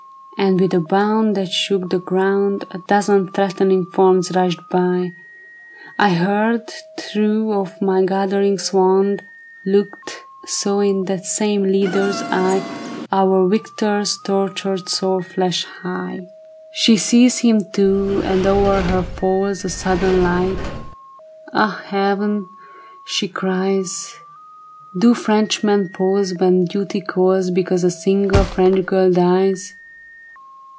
" And with a bound That shook the ground, A dozen threatening forms rushed by. I heard, threw off my gathering swound, Looked, saw in that same leader's eye Our Victor's tortured soul flash high. 123 124 THE BARRICADE. She sees him too, and o'er her falls A sudden light. " Ah, Heaven," she cri\is, *' Do Frenchmen pause when duty calls Because a single French girl dies